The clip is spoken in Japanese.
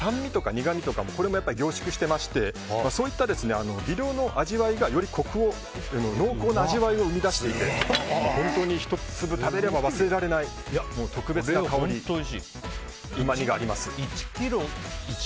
苦みとかを凝縮していましてそういった味わいがより濃厚な味わいを生み出していて本当に１粒食べれば忘れられない特別な香りうまみがあります。